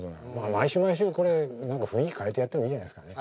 毎週毎週これ雰囲気変えてやってもいいじゃないですかね。